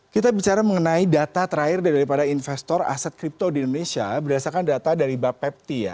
kita bicara mengenai data terakhir daripada investor aset kripto di indonesia berdasarkan data dari bapepti ya